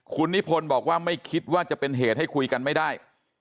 คุณนิพนธ์บอกว่าไม่คิดว่าจะเป็นเหตุให้คุยกันไม่ได้